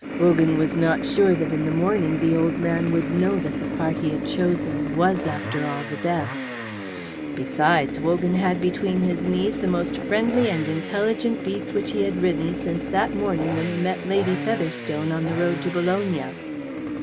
Wogan was not sure that in the morning the old man would know that the part he had chosen was, after all, the best. Besides, Wogan had between his knees the most friendly and intelligent beast which he had ridden since that morning when he met Lady Featherstone on the road to Bologna.